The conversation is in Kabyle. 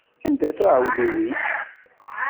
Anda-t uɛewdiw-ik?